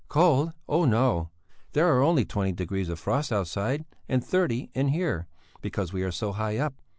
"Cold! Oh no! There are only twenty degrees of frost outside, and thirty in here because we are so high up.